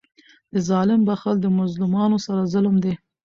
د ظالم بخښل د مظلومانو سره ظلم دئ.